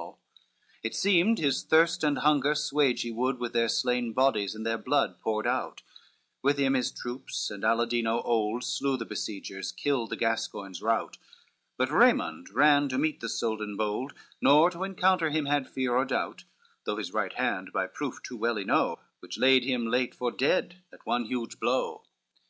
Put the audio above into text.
LXXIX It seemed his thirst and hunger 'suage he would With their slain bodies, and their blood poured out, With him his troops and Aladino old Slew their besiegers, killed the Gascoign rout: But Raymond ran to meet the Soldan bold, Nor to encounter him had fear or doubt, Though his right hand by proof too well he know, Which laid him late for dead at one huge blow.